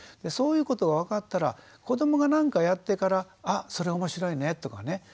そういうことが分かったら子どもが何かやってからあそれ面白いねとかね